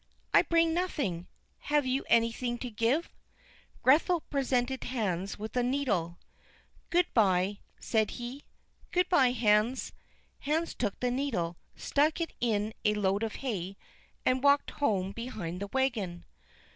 "I bring nothing. Have you anything to give?" Grethel presented Hans with a needle. "Good by," said he. "Good by, Hans." Hans took the needle, stuck it in a load of hay, and walked home behind the wagon.